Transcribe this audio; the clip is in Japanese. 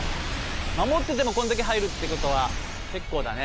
まもっててもこれだけ入るってことは結構だね。